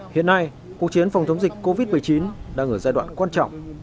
hiện nay cuộc chiến phòng chống dịch covid một mươi chín đang ở giai đoạn quan trọng